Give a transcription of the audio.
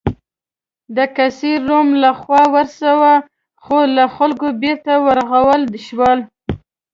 د قیصر روم له خوا وسوه خو له خلکو بېرته ورغول شوه.